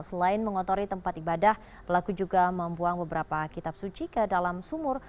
selain mengotori tempat ibadah pelaku juga membuang beberapa kitab suci ke dalam sumur